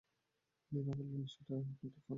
মীরা বললেন, সেটা কি ঠিক হবে?